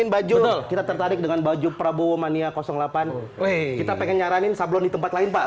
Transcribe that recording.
baju kita tertarik dengan baju prabowo mania delapan kita pengen nyaranin sablon di tempat lain pak